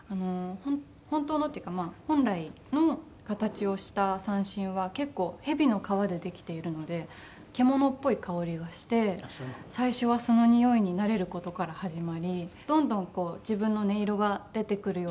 本当のっていうか本来の形をした三線は結構蛇の革でできているので獣っぽい香りがして最初はその臭いに慣れる事から始まりどんどん自分の音色が出てくるような感じがして。